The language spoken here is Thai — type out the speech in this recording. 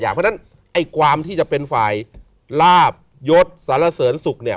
เพราะฉะนั้นไอ้ความที่จะเป็นฝ่ายลาบยศสารเสริญสุขเนี่ย